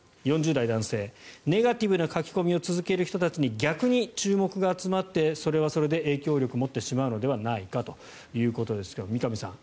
４０代男性ネガティブな書き込みを続ける人たちに逆に注目が集まってそれはそれで影響力を持ってしまうのではないかということですが三上さん